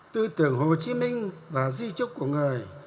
tư tưởng hồ chí minh và di trúc của người